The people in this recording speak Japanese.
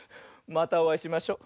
またおあいしましょ。